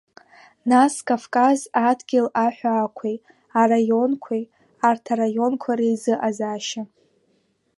Нас Кавказ адгьыл аҳәаақәеи, араионқәеи, арҭ араионқәа реизыҟазаашьа.